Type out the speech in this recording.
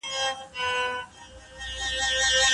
اغېزې لا هم پر تعلیمي، اقتصادي، نظامي، سیاسي